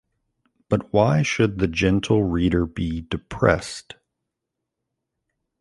But why should the gentle reader be depressed?